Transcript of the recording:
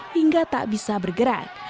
hingga tak bisa bergerak